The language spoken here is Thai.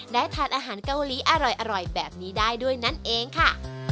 ได้ทานอาหารเกาหลีอร่อยแบบนี้ได้ด้วยนั่นเองค่ะ